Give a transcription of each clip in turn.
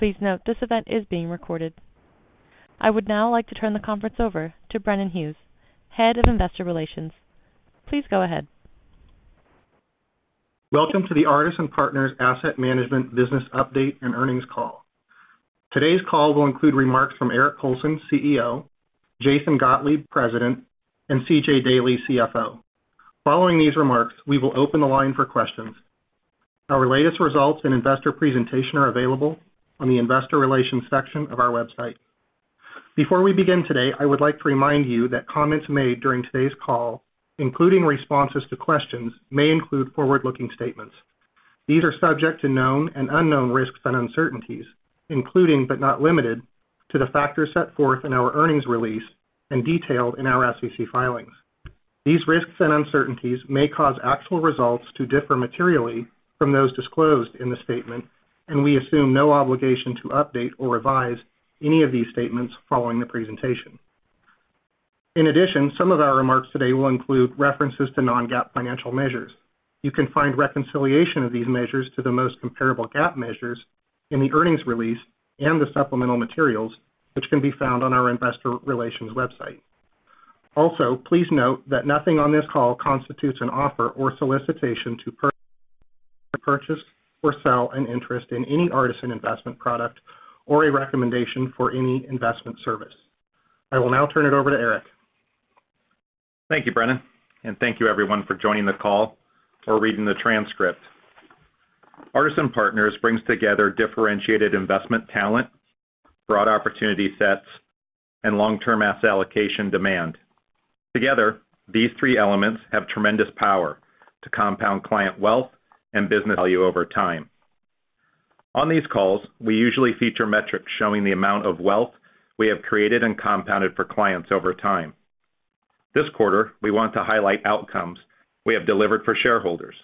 Please note, this event is being recorded. I would now like to turn the conference over to Brennan Hughes, Head of Investor Relations. Please go ahead. Welcome to the Artisan Partners Asset Management Business Update and Earnings call. Today's call will include remarks from Eric Colson, CEO, Jason Gottlieb, President, and C.J. Daley, CFO. Following these remarks, we will open the line for questions. Our latest results and investor presentation are available on the Investor Relations section of our website. Before we begin today, I would like to remind you that comments made during today's call, including responses to questions, may include forward-looking statements. These are subject to known and unknown risks and uncertainties, including but not limited to the factors set forth in our earnings release and detailed in our SEC filings. These risks and uncertainties may cause actual results to differ materially from those disclosed in the statement, and we assume no obligation to update or revise any of these statements following the presentation. In addition, some of our remarks today will include references to non-GAAP financial measures. You can find reconciliation of these measures to the most comparable GAAP measures in the earnings release and the supplemental materials, which can be found on our Investor Relations website. Also, please note that nothing on this call constitutes an offer or solicitation to purchase or sell an interest in any Artisan Investment product or a recommendation for any investment service. I will now turn it over to Eric. Thank you, Brennan, and thank you, everyone, for joining the call or reading the transcript. Artisan Partners brings together differentiated investment talent, broad opportunity sets, and long-term asset allocation demand. Together, these three elements have tremendous power to compound client wealth and business value over time. On these calls, we usually feature metrics showing the amount of wealth we have created and compounded for clients over time. This quarter, we want to highlight outcomes we have delivered for shareholders.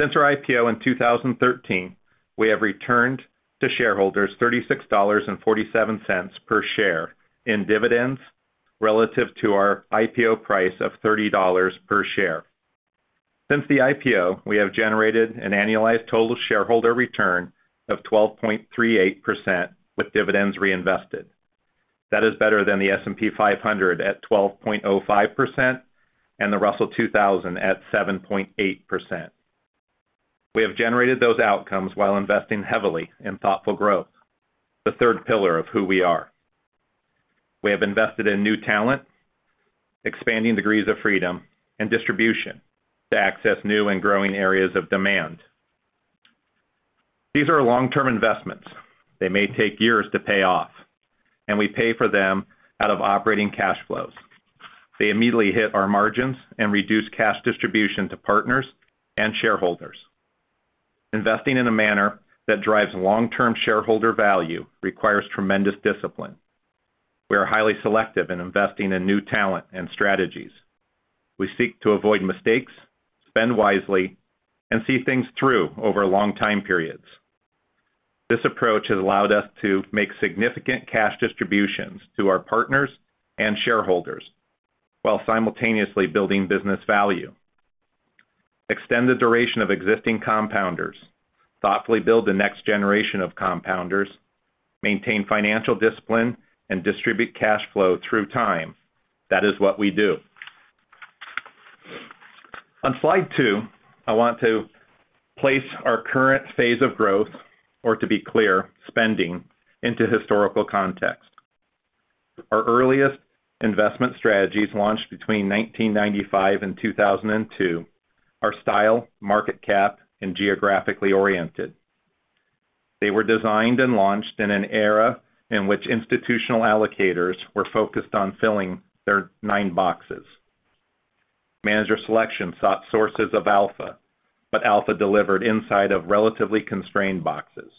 Since our IPO in 2013, we have returned to shareholders $36.47 per share in dividends relative to our IPO price of $30 per share. Since the IPO, we have generated an annualized total shareholder return of 12.38% with dividends reinvested. That is better than the S&P 500 at 12.05% and the Russell 2000 at 7.8%. We have generated those outcomes while investing heavily in thoughtful growth, the third pillar of who we are. We have invested in new talent, expanding degrees of freedom, and distribution to access new and growing areas of demand. These are long-term investments. They may take years to pay off, and we pay for them out of operating cash flows. They immediately hit our margins and reduce cash distribution to partners and shareholders. Investing in a manner that drives long-term shareholder value requires tremendous discipline. We are highly selective in investing in new talent and strategies. We seek to avoid mistakes, spend wisely, and see things through over long time periods. This approach has allowed us to make significant cash distributions to our partners and shareholders while simultaneously building business value. Extend the duration of existing compounders, thoughtfully build the next generation of compounders, maintain financial discipline, and distribute cash flow through time. That is what we do. On slide two, I want to place our current phase of growth, or to be clear, spending, into historical context. Our earliest investment strategies launched between 1995 and 2002 are style, market cap, and geographically oriented. They were designed and launched in an era in which institutional allocators were focused on filling their nine boxes. Manager selection sought sources of alpha, but alpha delivered inside of relatively constrained boxes.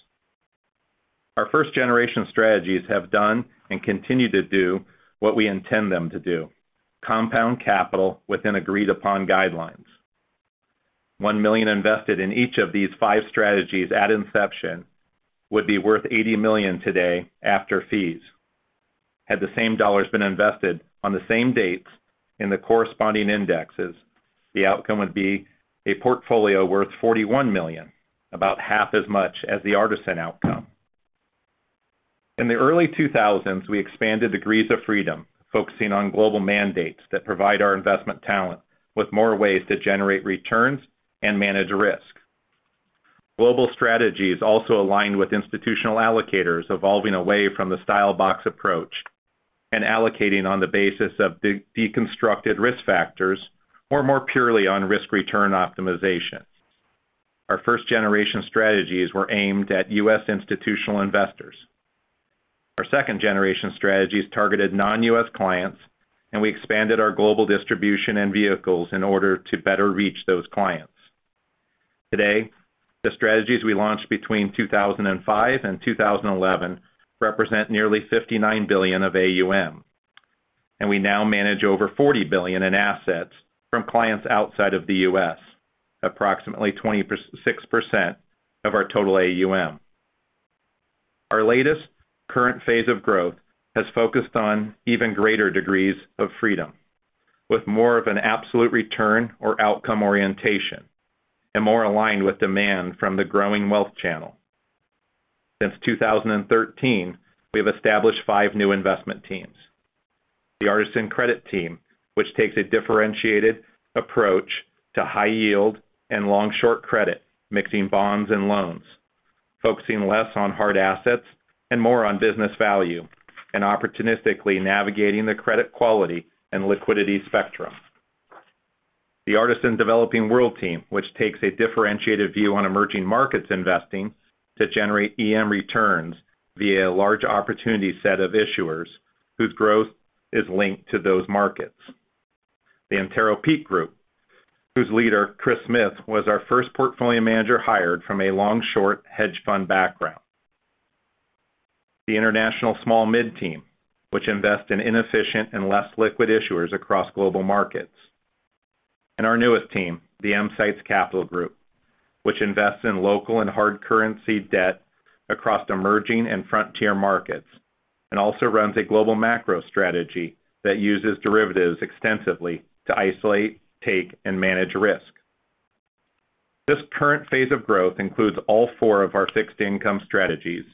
Our first-generation strategies have done and continue to do what we intend them to do: compound capital within agreed-upon guidelines. $1 million invested in each of these five strategies at inception would be worth $80 million today after fees. Had the same dollars been invested on the same dates in the corresponding indexes, the outcome would be a portfolio worth $41 million, about half as much as the Artisan outcome. In the early 2000s, we expanded degrees of freedom, focusing on global mandates that provide our investment talent with more ways to generate returns and manage risk. Global strategies also aligned with institutional allocators evolving away from the style box approach and allocating on the basis of deconstructed risk factors or more purely on risk return optimization. Our first-generation strategies were aimed at U.S. institutional investors. Our second-generation strategies targeted non-U.S. clients, and we expanded our global distribution and vehicles in order to better reach those clients. Today, the strategies we launched between 2005 and 2011 represent nearly $59 billion of AUM, and we now manage over $40 billion in assets from clients outside of the U.S., approximately 26% of our total AUM. Our latest current phase of growth has focused on even greater degrees of freedom, with more of an absolute return or outcome orientation and more aligned with demand from the growing wealth channel. Since 2013, we have established five new investment teams: the Artisan Credit Team, which takes a differentiated approach to high-yield and long-short credit, mixing bonds and loans, focusing less on hard assets and more on business value, and opportunistically navigating the credit quality and liquidity spectrum. The Artisan Developing World Team, which takes a differentiated view on emerging markets investing to generate EM returns via a large opportunity set of issuers whose growth is linked to those markets. The Antero Peak Group, whose leader, Chris Smith, was our first portfolio manager hired from a long-short hedge fund background. The International Small-Mid Team, which invests in inefficient and less liquid issuers across global markets. And our newest team, the Emsights Capital Group, which invests in local and hard currency debt across emerging and frontier markets, and also runs a Global Macro strategy that uses derivatives extensively to isolate, take, and manage risk. This current phase of growth includes all four of our fixed income strategies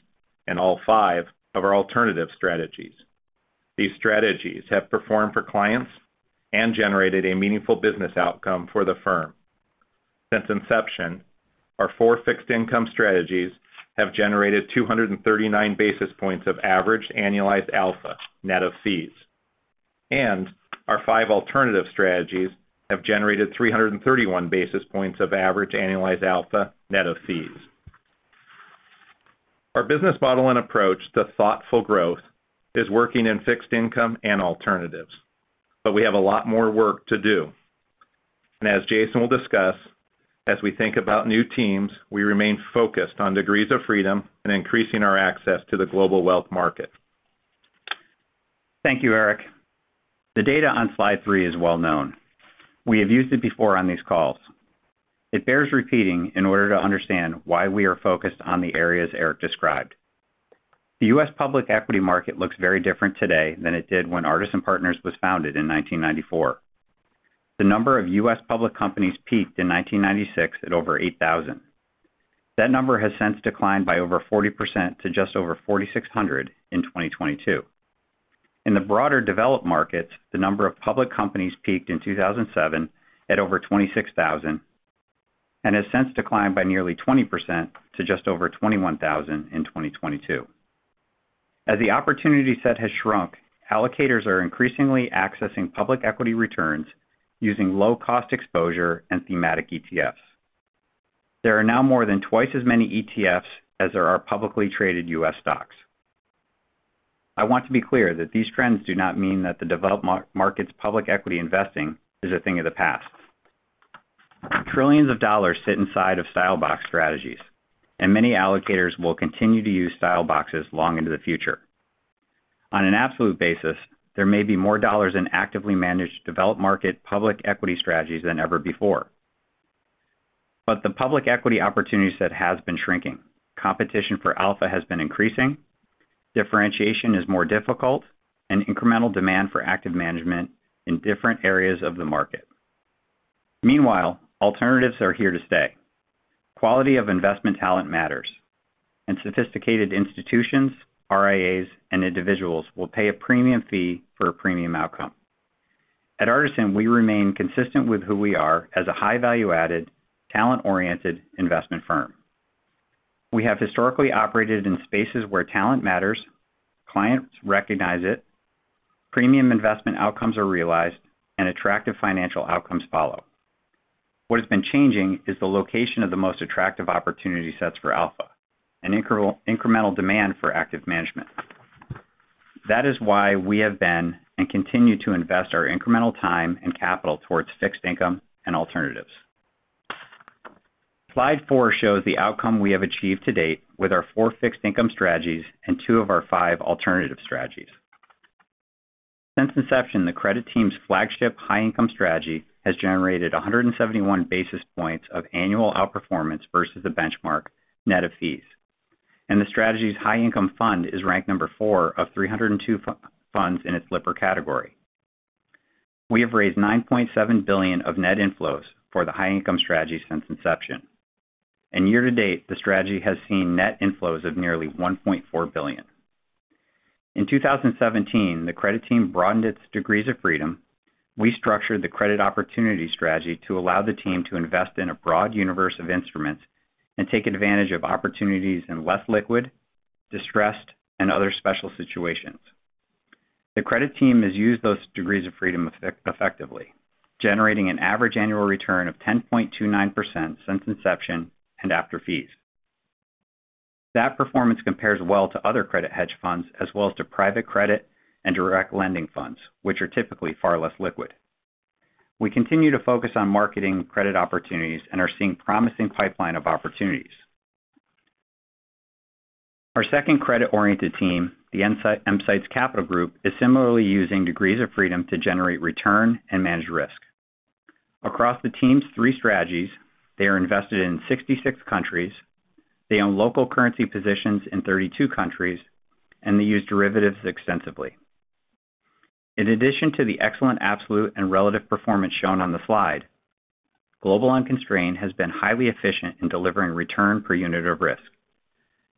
and all five of our alternative strategies. These strategies have performed for clients and generated a meaningful business outcome for the firm. Since inception, our four fixed income strategies have generated 239 basis points of averaged annualized alpha net of fees, and our five alternative strategies have generated 331 basis points of averaged annualized alpha net of fees. Our business model and approach to thoughtful growth is working in fixed income and alternatives, but we have a lot more work to do, and as Jason will discuss, as we think about new teams, we remain focused on degrees of freedom and increasing our access to the global wealth market. Thank you, Eric. The data on slide three is well known. We have used it before on these calls. It bears repeating in order to understand why we are focused on the areas Eric described. The U.S. public equity market looks very different today than it did when Artisan Partners was founded in 1994. The number of U.S. public companies peaked in 1996 at over 8,000. That number has since declined by over 40% to just over 4,600 in 2022. In the broader developed markets, the number of public companies peaked in 2007 at over 26,000 and has since declined by nearly 20% to just over 21,000 in 2022. As the opportunity set has shrunk, allocators are increasingly accessing public equity returns using low-cost exposure and thematic ETFs. There are now more than twice as many ETFs as there are publicly traded U.S. stocks. I want to be clear that these trends do not mean that the developed markets' public equity investing is a thing of the past. Trillions of dollars sit inside of style box strategies, and many allocators will continue to use style boxes long into the future. On an absolute basis, there may be more dollars in actively managed developed market public equity strategies than ever before. But the public equity opportunity set has been shrinking. Competition for alpha has been increasing. Differentiation is more difficult, and incremental demand for active management in different areas of the market. Meanwhile, alternatives are here to stay. Quality of investment talent matters, and sophisticated institutions, RIAs, and individuals will pay a premium fee for a premium outcome. At Artisan, we remain consistent with who we are as a high-value-added, talent-oriented investment firm. We have historically operated in spaces where talent matters, clients recognize it, premium investment outcomes are realized, and attractive financial outcomes follow. What has been changing is the location of the most attractive opportunity sets for alpha and incremental demand for active management. That is why we have been and continue to invest our incremental time and capital towards fixed income and alternatives. Slide four shows the outcome we have achieved to date with our four fixed income strategies and two of our five alternative strategies. Since inception, the Credit Team's flagship High Income strategy has generated 171 basis points of annual outperformance versus the benchmark net of fees, and the strategy's High Income fund is ranked number four of 302 funds in its Lipper category. We have raised $9.7 billion of net inflows for the High Income strategy since inception, and year to date, the strategy has seen net inflows of nearly $1.4 billion. In 2017, the Credit Team broadened its degrees of freedom. We structured the Credit Opportunities strategy to allow the team to invest in a broad universe of instruments and take advantage of opportunities in less liquid, distressed, and other special situations. The Credit Team has used those degrees of freedom effectively, generating an average annual return of 10.29% since inception and after fees. That performance compares well to other credit hedge funds as well as to private credit and direct lending funds, which are typically far less liquid. We continue to focus on marketing Credit Opportunities and are seeing a promising pipeline of opportunities. Our second credit-oriented team, the Emsights Capital Group, is similarly using degrees of freedom to generate return and manage risk. Across the team's three strategies, they are invested in 66 countries, they own local currency positions in 32 countries, and they use derivatives extensively. In addition to the excellent absolute and relative performance shown on the slide, Global Unconstrained has been highly efficient in delivering return per unit of risk.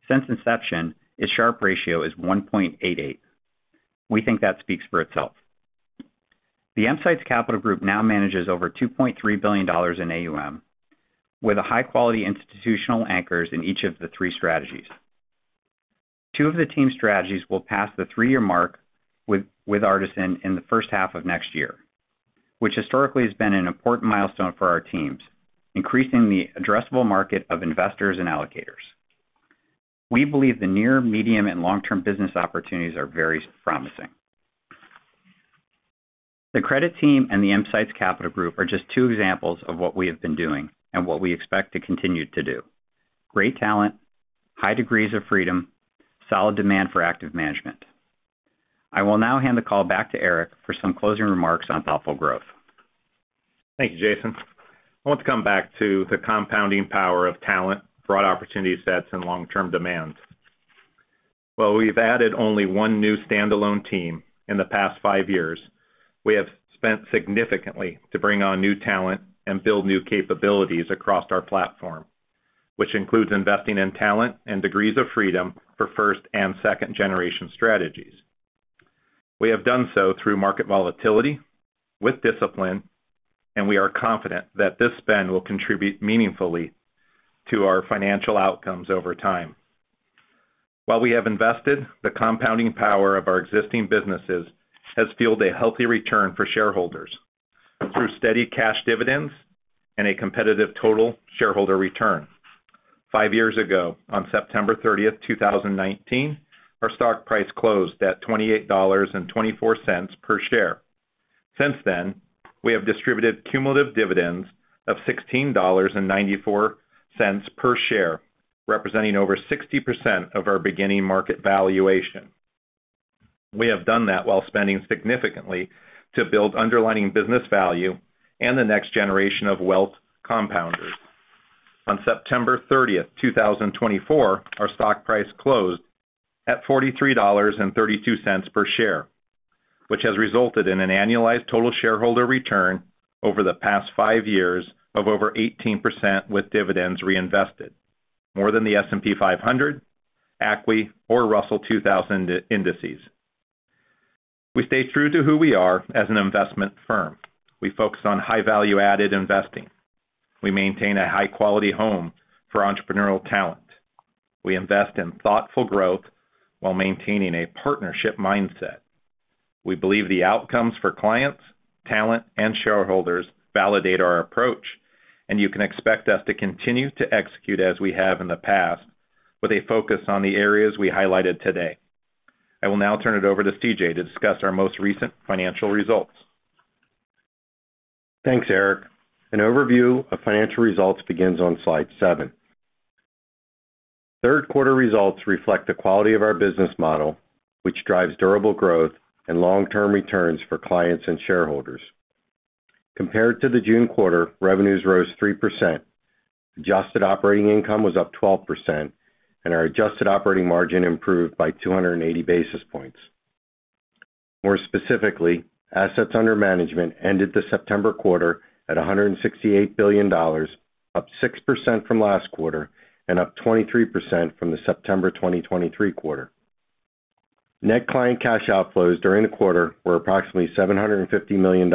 Since inception, its Sharpe ratio is 1.88. We think that speaks for itself. The Emsights Capital Group now manages over $2.3 billion in AUM with high-quality institutional anchors in each of the three strategies. Two of the team's strategies will pass the three-year mark with Artisan in the first half of next year, which historically has been an important milestone for our teams, increasing the addressable market of investors and allocators. We believe the near, medium, and long-term business opportunities are very promising. The Credit Team and the Emsights Capital Group are just two examples of what we have been doing and what we expect to continue to do: great talent, high degrees of freedom, solid demand for active management. I will now hand the call back to Eric for some closing remarks on thoughtful growth. Thank you, Jason. I want to come back to the compounding power of talent, broad opportunity sets, and long-term demand. While we've added only one new standalone team in the past five years, we have spent significantly to bring on new talent and build new capabilities across our platform, which includes investing in talent and degrees of freedom for first and second-generation strategies. We have done so through market volatility with discipline, and we are confident that this spend will contribute meaningfully to our financial outcomes over time. While we have invested, the compounding power of our existing businesses has yielded a healthy return for shareholders through steady cash dividends and a competitive total shareholder return. Five years ago, on September 30, 2019, our stock price closed at $28.24 per share. Since then, we have distributed cumulative dividends of $16.94 per share, representing over 60% of our beginning market valuation. We have done that while spending significantly to build underlying business value and the next generation of wealth compounders. On September 30, 2024, our stock price closed at $43.32 per share, which has resulted in an annualized total shareholder return over the past five years of over 18% with dividends reinvested, more than the S&P 500, ACWI, or Russell 2000 indices. We stay true to who we are as an investment firm. We focus on high-value-added investing. We maintain a high-quality home for entrepreneurial talent. We invest in thoughtful growth while maintaining a partnership mindset. We believe the outcomes for clients, talent, and shareholders validate our approach, and you can expect us to continue to execute as we have in the past with a focus on the areas we highlighted today. I will now turn it over to C.J. to discuss our most recent financial results. Thanks, Eric. An overview of financial results begins on slide seven. Third-quarter results reflect the quality of our business model, which drives durable growth and long-term returns for clients and shareholders. Compared to the June quarter, revenues rose 3%. Adjusted operating income was up 12%, and our adjusted operating margin improved by 280 basis points. More specifically, assets under management ended the September quarter at $168 billion, up 6% from last quarter and up 23% from the September 2023 quarter. Net client cash outflows during the quarter were approximately $750 million.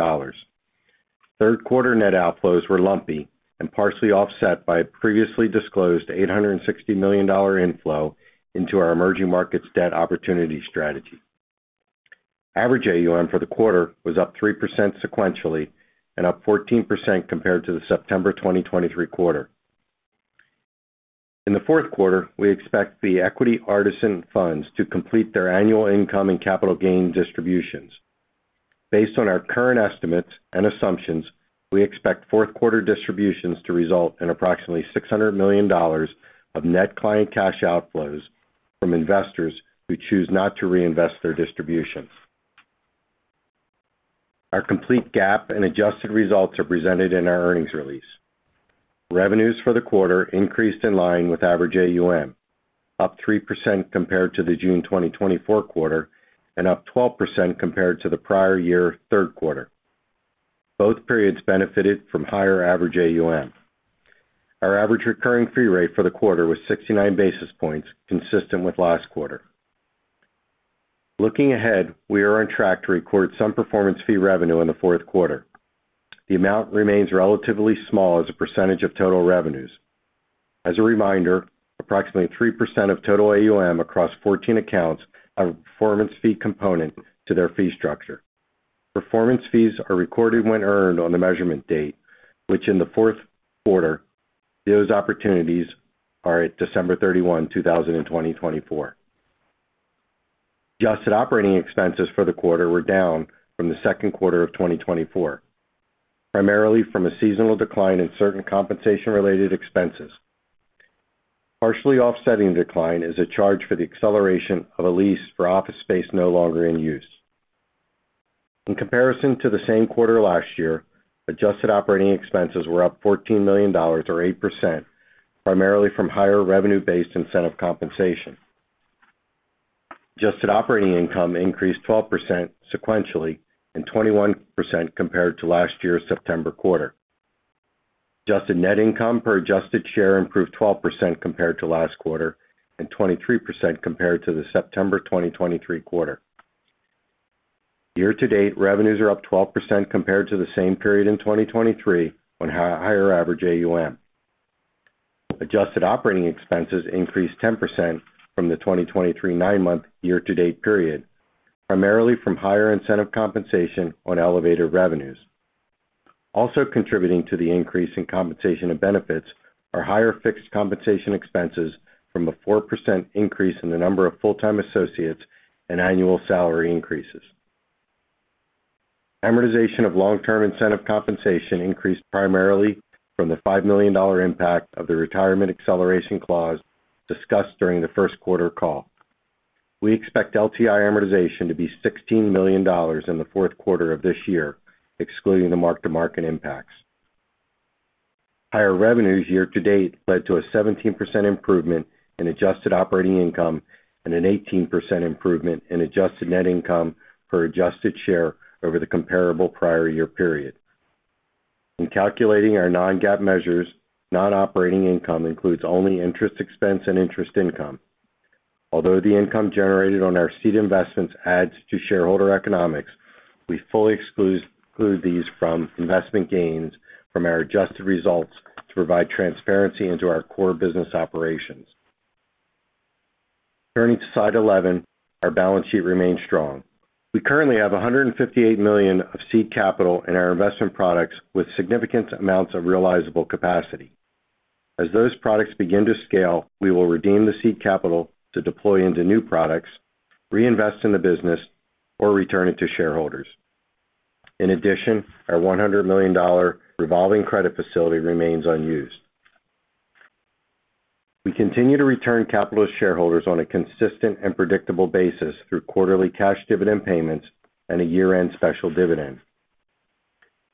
Third-quarter net outflows were lumpy and partially offset by a previously disclosed $860 million inflow into our Emerging Markets Debt Opportunities strategy. Average AUM for the quarter was up 3% sequentially and up 14% compared to the September 2023 quarter. In the fourth quarter, we expect the equity Artisan Funds to complete their annual income and capital gain distributions. Based on our current estimates and assumptions, we expect fourth-quarter distributions to result in approximately $600 million of net client cash outflows from investors who choose not to reinvest their distributions. Our complete GAAP and adjusted results are presented in our earnings release. Revenues for the quarter increased in line with average AUM, up 3% compared to the June 2024 quarter and up 12% compared to the prior year third quarter. Both periods benefited from higher average AUM. Our average recurring fee rate for the quarter was 69 basis points, consistent with last quarter. Looking ahead, we are on track to record some performance fee revenue in the fourth quarter. The amount remains relatively small as a percentage of total revenues. As a reminder, approximately 3% of total AUM across 14 accounts have a performance fee component to their fee structure. Performance fees are recorded when earned on the measurement date, which in the fourth quarter, those opportunities are at December 31, 2024. Adjusted operating expenses for the quarter were down from the second quarter of 2024, primarily from a seasonal decline in certain compensation-related expenses. Partially offsetting the decline is a charge for the acceleration of a lease for office space no longer in use. In comparison to the same quarter last year, adjusted operating expenses were up $14 million, or 8%, primarily from higher revenue-based incentive compensation. Adjusted operating income increased 12% sequentially and 21% compared to last year's September quarter. Adjusted net income per adjusted share improved 12% compared to last quarter and 23% compared to the September 2023 quarter. Year to date, revenues are up 12% compared to the same period in 2023 on higher average AUM. Adjusted operating expenses increased 10% from the 2023 nine-month year to date period, primarily from higher incentive compensation on elevated revenues. Also contributing to the increase in compensation and benefits are higher fixed compensation expenses from a 4% increase in the number of full-time associates and annual salary increases. Amortization of long-term incentive compensation increased primarily from the $5 million impact of the retirement acceleration clause discussed during the first quarter call. We expect LTI amortization to be $16 million in the fourth quarter of this year, excluding the mark-to-market impacts. Higher revenues year to date led to a 17% improvement in adjusted operating income and an 18% improvement in adjusted net income per adjusted share over the comparable prior year period. In calculating our non-GAAP measures, non-operating income includes only interest expense and interest income. Although the income generated on our seed investments adds to shareholder economics, we fully exclude these from investment gains from our adjusted results to provide transparency into our core business operations. Turning to slide 11, our balance sheet remains strong. We currently have $158 million of seed capital in our investment products with significant amounts of realizable capacity. As those products begin to scale, we will redeem the seed capital to deploy into new products, reinvest in the business, or return it to shareholders. In addition, our $100 million revolving credit facility remains unused. We continue to return capital to shareholders on a consistent and predictable basis through quarterly cash dividend payments and a year-end special dividend.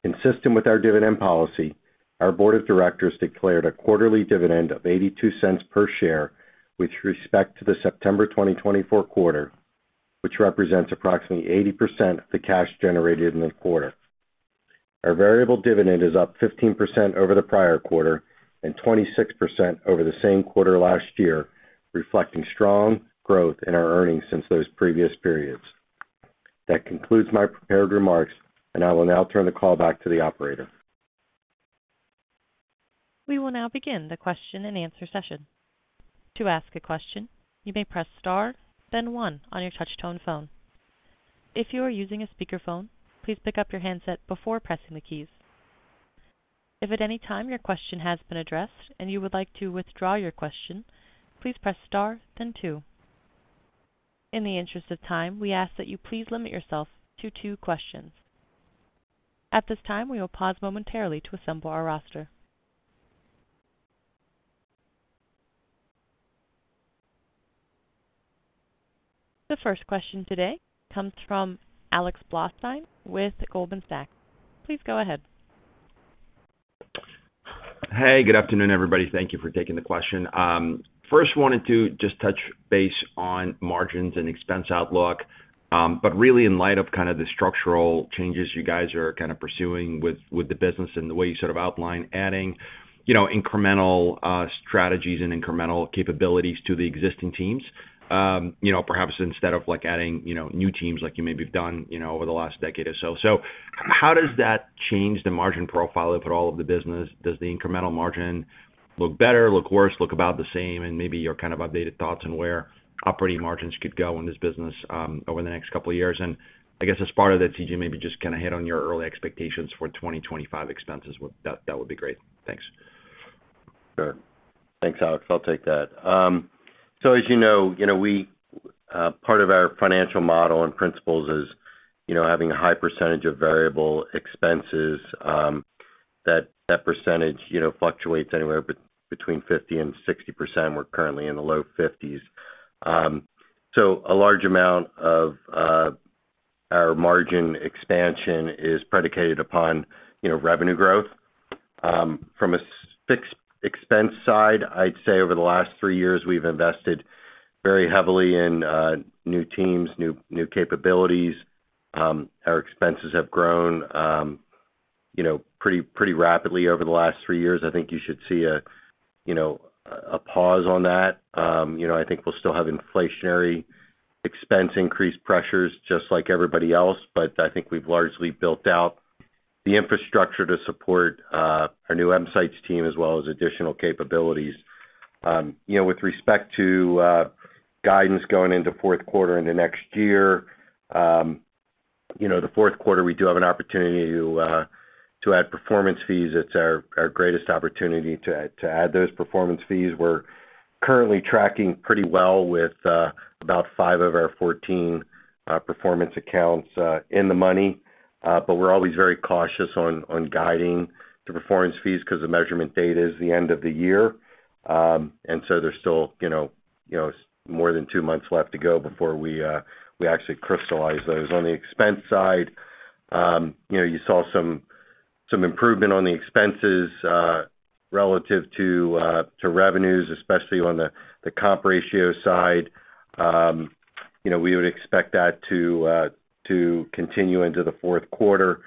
Consistent with our dividend policy, our board of directors declared a quarterly dividend of $0.82 per share with respect to the September 2024 quarter, which represents approximately 80% of the cash generated in the quarter. Our variable dividend is up 15% over the prior quarter and 26% over the same quarter last year, reflecting strong growth in our earnings since those previous periods. That concludes my prepared remarks, and I will now turn the call back to the operator. We will now begin the question and answer session. To ask a question, you may press star, then one on your touch-tone phone. If you are using a speakerphone, please pick up your handset before pressing the keys. If at any time your question has been addressed and you would like to withdraw your question, please press star, then two. In the interest of time, we ask that you please limit yourself to two questions. At this time, we will pause momentarily to assemble our roster. The first question today comes from Alex Blostein with Goldman Sachs. Please go ahead. Hey, good afternoon, everybody. Thank you for taking the question. First, wanted to just touch base on margins and expense outlook, but really in light of kind of the structural changes you guys are kind of pursuing with the business and the way you sort of outlined adding incremental strategies and incremental capabilities to the existing teams, perhaps instead of adding new teams like you maybe have done over the last decade or so, so how does that change the margin profile of all of the business? Does the incremental margin look better, look worse, look about the same, and maybe your kind of updated thoughts on where operating margins could go in this business over the next couple of years, and I guess as part of that, C.J., maybe just kind of hit on your early expectations for 2025 expenses. That would be great. Thanks. Sure. Thanks, Alex. I'll take that. So as you know, part of our financial model and principles is having a high percentage of variable expenses. That percentage fluctuates anywhere between 50%-60%. We're currently in the low 50s%. So a large amount of our margin expansion is predicated upon revenue growth. From a fixed expense side, I'd say over the last three years, we've invested very heavily in new teams, new capabilities. Our expenses have grown pretty rapidly over the last three years. I think you should see a pause on that. I think we'll still have inflationary expense increase pressures just like everybody else, but I think we've largely built out the infrastructure to support our new Emsights team as well as additional capabilities. With respect to guidance going into fourth quarter into next year, the fourth quarter, we do have an opportunity to add performance fees. It's our greatest opportunity to add those performance fees. We're currently tracking pretty well with about five of our 14 performance accounts in the money, but we're always very cautious on guiding the performance fees because the measurement date is the end of the year. And so there's still more than two months left to go before we actually crystallize those. On the expense side, you saw some improvement on the expenses relative to revenues, especially on the comp ratio side. We would expect that to continue into the fourth quarter.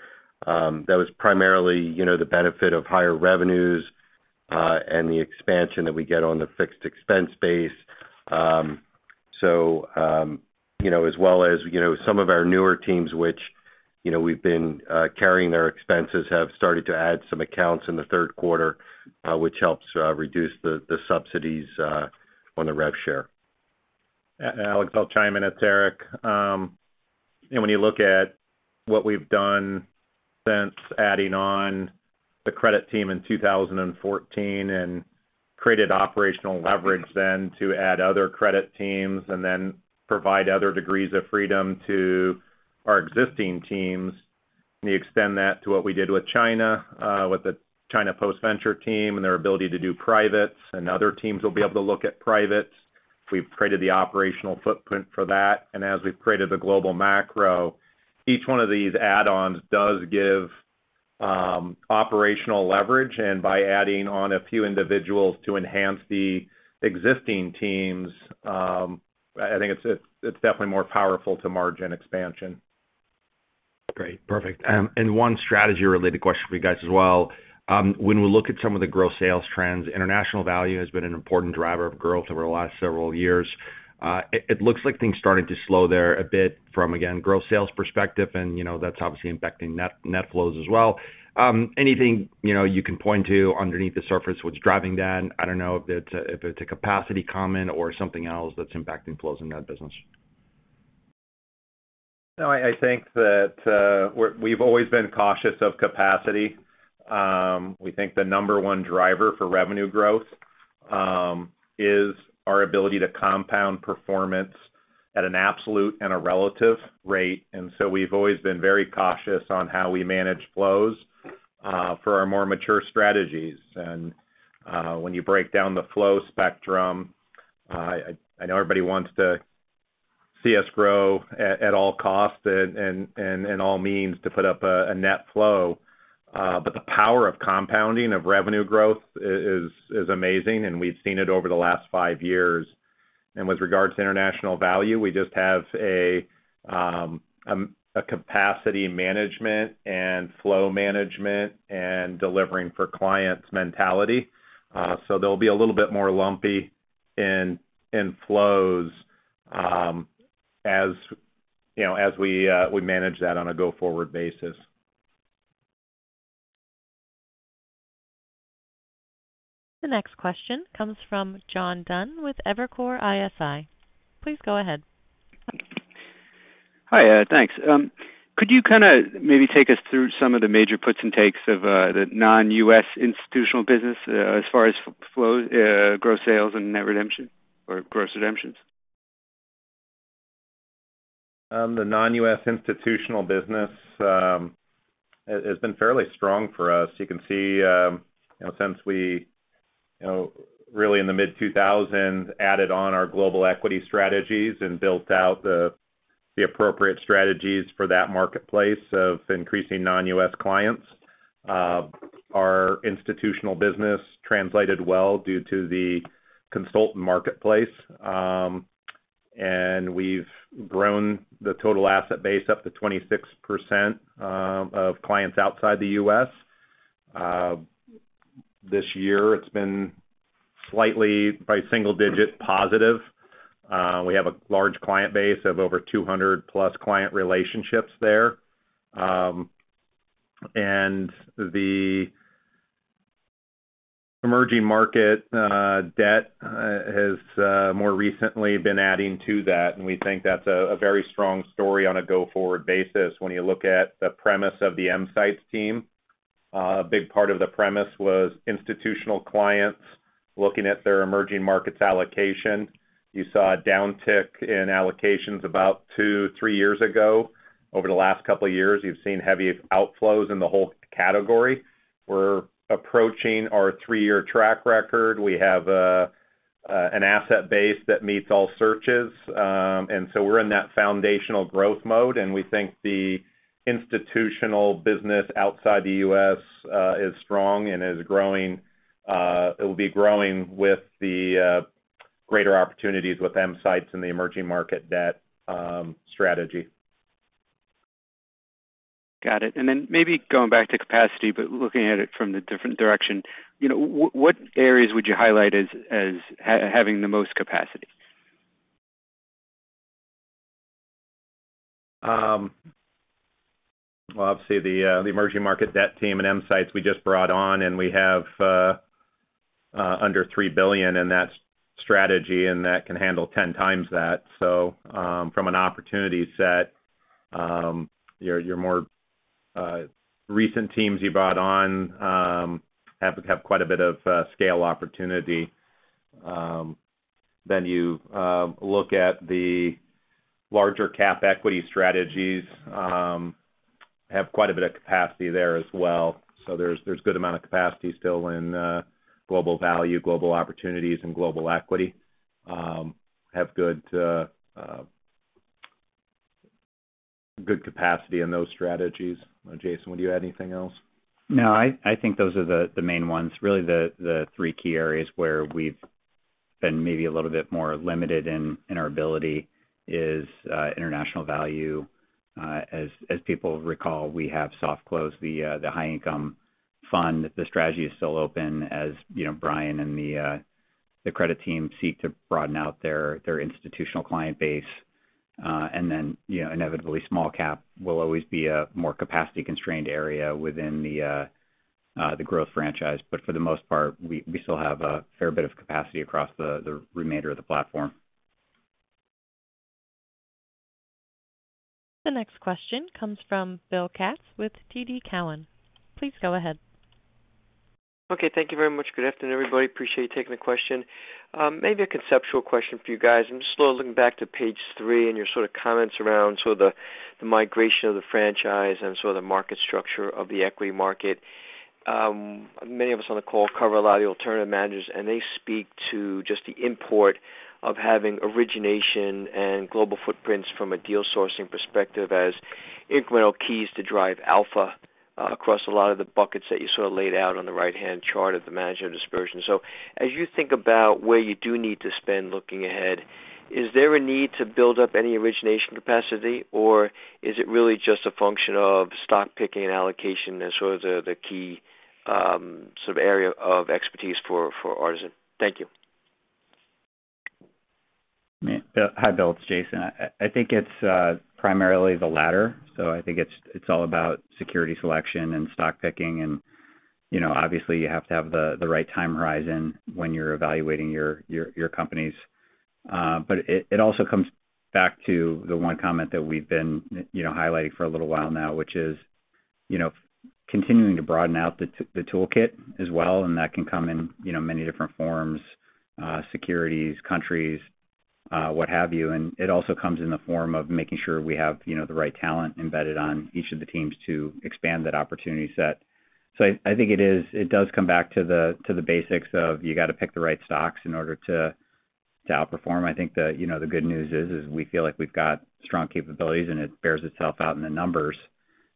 That was primarily the benefit of higher revenues and the expansion that we get on the fixed expense base. So as well as some of our newer teams, which we've been carrying their expenses, have started to add some accounts in the third quarter, which helps reduce the subsidies on the rev share. Alex, I'll chime in. It's Eric. And when you look at what we've done since adding on the credit team in 2014 and created operational leverage then to add other credit teams and then provide other degrees of freedom to our existing teams, and you extend that to what we did with China, with the China Post-Venture team and their ability to do privates, and other teams will be able to look at privates. We've created the operational footprint for that. And as we've created the Global Macro, each one of these add-ons does give operational leverage. And by adding on a few individuals to enhance the existing teams, I think it's definitely more powerful to margin expansion. Great. Perfect. And one strategy-related question for you guys as well. When we look at some of the gross sales trends, International Value has been an important driver of growth over the last several years. It looks like things started to slow there a bit from, again, gross sales perspective, and that's obviously impacting net flows as well. Anything you can point to underneath the surface what's driving that? I don't know if it's a capacity comment or something else that's impacting flows in that business. No, I think that we've always been cautious of capacity. We think the number one driver for revenue growth is our ability to compound performance at an absolute and a relative rate. And so we've always been very cautious on how we manage flows for our more mature strategies. And when you break down the flow spectrum, I know everybody wants to see us grow at all costs and all means to put up a net flow. But the power of compounding of revenue growth is amazing, and we've seen it over the last five years. And with regards to International Value, we just have a capacity management and flow management and delivering for clients mentality. So they'll be a little bit more lumpy in flows as we manage that on a go-forward basis. The next question comes from John Dunn with Evercore ISI. Please go ahead. Hi, thanks. Could you kind of maybe take us through some of the major puts and takes of the non-U.S. institutional business as far as gross sales and net redemption or gross redemptions? The non-U.S. institutional business has been fairly strong for us. You can see since we really in the mid-2000s added on our Global Equity strategies and built out the appropriate strategies for that marketplace of increasing non-U.S. clients. Our institutional business translated well due to the consultant marketplace, and we've grown the total asset base up to 26% of clients outside the U.S. This year, it's been slightly by single digit positive. We have a large client base of over 200-plus client relationships there. And the Emerging Markets Debt has more recently been adding to that, and we think that's a very strong story on a go-forward basis. When you look at the premise of the Emsights team, a big part of the premise was institutional clients looking at their emerging markets allocation. You saw a downtick in allocations about two, three years ago. Over the last couple of years, you've seen heavy outflows in the whole category. We're approaching our three-year track record. We have an asset base that meets all searches. And so we're in that foundational growth mode, and we think the institutional business outside the U.S. is strong and is growing. It will be growing with the greater opportunities with Emsights and the Emerging Markets Debt strategy. Got it. And then maybe going back to capacity, but looking at it from the different direction, what areas would you highlight as having the most capacity? Well, obviously, the Emerging Markets Debt Team and Emsights we just brought on, and we have under $3 billion in that strategy, and that can handle 10 times that. So from an opportunity set, your more recent teams you brought on have quite a bit of scale opportunity. Then you look at the larger cap equity strategies. Have quite a bit of capacity there as well. So there's a good amount of capacity still in Global Value, Global Opportunities, and Global Equity. Have good capacity in those strategies. Jason, would you add anything else? No, I think those are the main ones. Really, the three key areas where we've been maybe a little bit more limited in our ability is International Value. As people recall, we have soft-closed the High Income fund. The strategy is still open as Bryan and the credit team seek to broaden out their institutional client base. And then inevitably, Small Cap will always be a more capacity-constrained area within the growth franchise. But for the most part, we still have a fair bit of capacity across the remainder of the platform. The next question comes from Bill Katz with TD Cowen. Please go ahead. Okay. Thank you very much. Good afternoon, everybody. Appreciate you taking the question. Maybe a conceptual question for you guys. I'm just slowly looking back to page three and your sort of comments around sort of the migration of the franchise and sort of the market structure of the equity market. Many of us on the call cover a lot of the alternative managers, and they speak to just the import of having origination and global footprints from a deal sourcing perspective as incremental keys to drive alpha across a lot of the buckets that you sort of laid out on the right-hand chart of the management dispersion. So as you think about where you do need to spend looking ahead, is there a need to build up any origination capacity, or is it really just a function of stock picking and allocation as sort of the key sort of area of expertise for Artisan? Thank you. Hi, Bill. It's Jason. I think it's primarily the latter, so I think it's all about security selection and stock picking, and obviously, you have to have the right time horizon when you're evaluating your companies, but it also comes back to the one comment that we've been highlighting for a little while now, which is continuing to broaden out the toolkit as well, and that can come in many different forms, securities, countries, what have you, and it also comes in the form of making sure we have the right talent embedded on each of the teams to expand that opportunity set, so I think it does come back to the basics of you got to pick the right stocks in order to outperform. I think the good news is we feel like we've got strong capabilities, and it bears itself out in the numbers.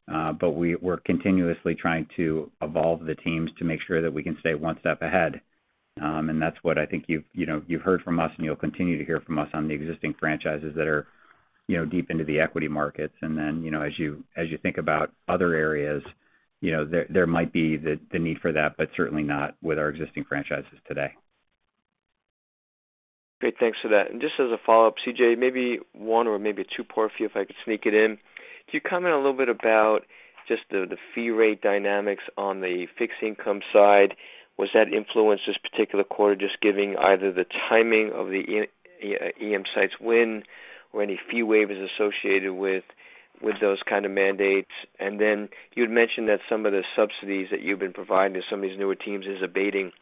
But we're continuously trying to evolve the teams to make sure that we can stay one step ahead. And that's what I think you've heard from us, and you'll continue to hear from us on the existing franchises that are deep into the equity markets. And then as you think about other areas, there might be the need for that, but certainly not with our existing franchises today. Great. Thanks for that. And just as a follow-up, CJ, maybe one or maybe two parts, if I could sneak it in. Can you comment a little bit about just the fee rate dynamics on the fixed income side? Was that influenced this particular quarter just giving either the timing of the Emsights win or any fee waivers associated with those kind of mandates? And then you had mentioned that some of the subsidies that you've been providing to some of these newer teams is abating.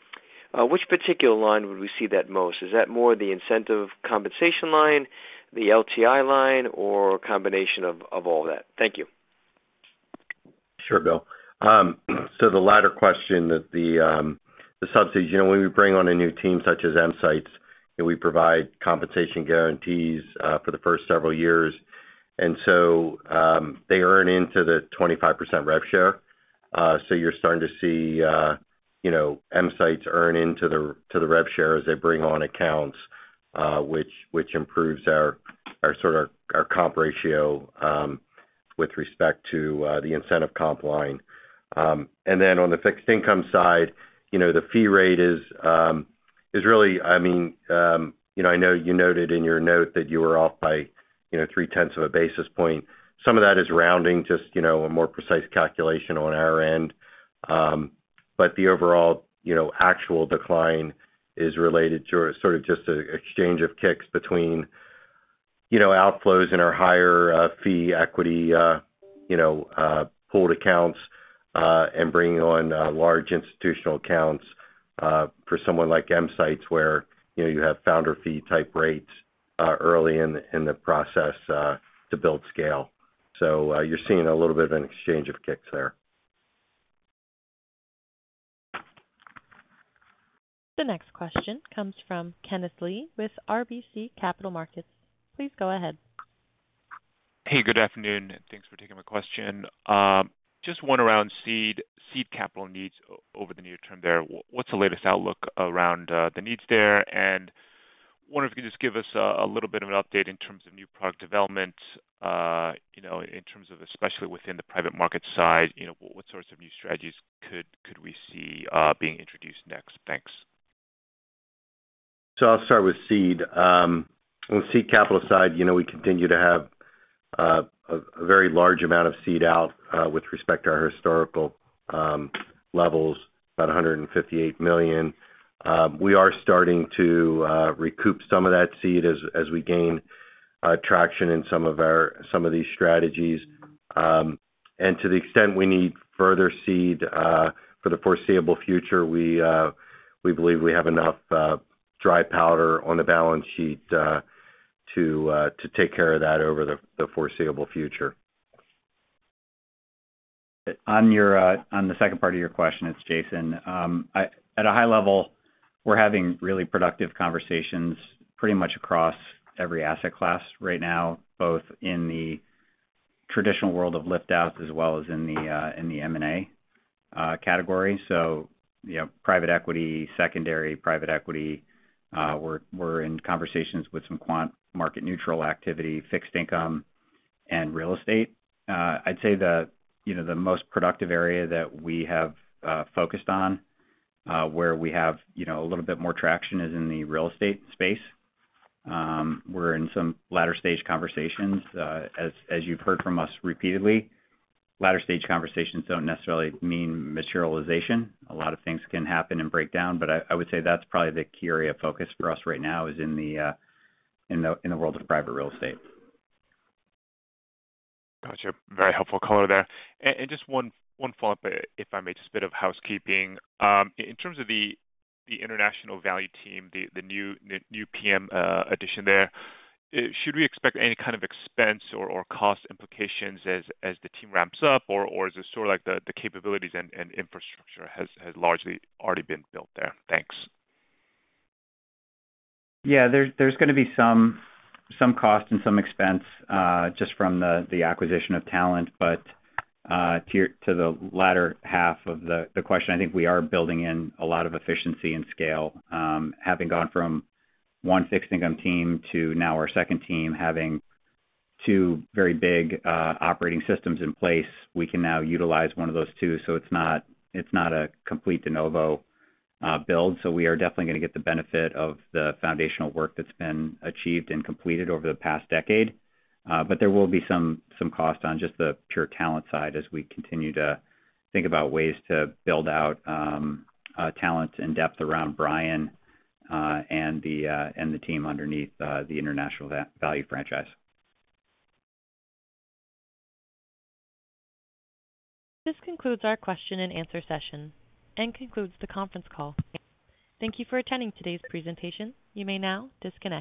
Which particular line would we see that most? Is that more the incentive compensation line, the LTI line, or a combination of all that? Thank you. Sure, Bill. So the latter question, the subsidies, when we bring on a new team such as Emsights, we provide compensation guarantees for the first several years. And so they earn into the 25% rev share. So you're starting to see Emsights earn into the rev share as they bring on accounts, which improves our sort of comp ratio with respect to the incentive comp line. And then on the fixed income side, the fee rate is really, I mean, I know you noted in your note that you were off by three-tenths of a basis point. Some of that is rounding, just a more precise calculation on our end. But the overall actual decline is related to sort of just the exchange of mix between outflows in our higher fee equity pooled accounts and bringing on large institutional accounts for someone like Emsights where you have founder fee type rates early in the process to build scale. So you're seeing a little bit of an exchange of mix there. The next question comes from Kenneth Lee with RBC Capital Markets. Please go ahead. Hey, good afternoon. Thanks for taking my question. Just one around seed capital needs over the near term there. What's the latest outlook around the needs there? And wonder if you could just give us a little bit of an update in terms of new product development, in terms of especially within the private market side. What sorts of new strategies could we see being introduced next? Thanks. I'll start with seed. On the seed capital side, we continue to have a very large amount of seed out with respect to our historical levels, about $158 million. We are starting to recoup some of that seed as we gain traction in some of these strategies. To the extent we need further seed for the foreseeable future, we believe we have enough dry powder on the balance sheet to take care of that over the foreseeable future. On the second part of your question, it's Jason. At a high level, we're having really productive conversations pretty much across every asset class right now, both in the traditional world of lift-outs as well as in the M&A category. So private equity, secondary private equity. We're in conversations with some quant market neutral activity, fixed income, and real estate. I'd say the most productive area that we have focused on where we have a little bit more traction is in the real estate space. We're in some later-stage conversations. As you've heard from us repeatedly, later-stage conversations don't necessarily mean materialization. A lot of things can happen and break down. But I would say that's probably the key area of focus for us right now is in the world of private real estate. Gotcha. Very helpful color there. And just one thought, if I may, just a bit of housekeeping. In terms of the International Value team, the new PM addition there, should we expect any kind of expense or cost implications as the team ramps up, or is it sort of like the capabilities and infrastructure has largely already been built there? Thanks. Yeah. There's going to be some cost and some expense just from the acquisition of talent. But to the latter half of the question, I think we are building in a lot of efficiency and scale. Having gone from one fixed income team to now our second team, having two very big operating systems in place, we can now utilize one of those two. So it's not a complete de novo build. So we are definitely going to get the benefit of the foundational work that's been achieved and completed over the past decade. But there will be some cost on just the pure talent side as we continue to think about ways to build out talent and depth around Brian and the team underneath the International Value franchise. This concludes our question and answer session and concludes the conference call. Thank you for attending today's presentation. You may now disconnect.